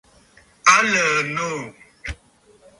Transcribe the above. A lə̀ə̀ noò.